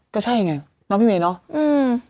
ก็ใช่ไงเนาะพี่เมย์เนาะ